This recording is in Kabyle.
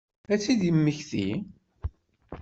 Ad tt-id-temmekti?